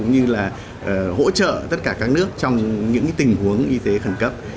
như là hỗ trợ tất cả các nước trong những tình huống y tế khẩn cấp